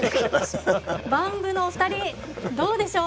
ＢＡＭ部のお二人どうでしょう？